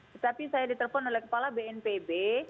tetapi saya ditelepon oleh kepala bnpb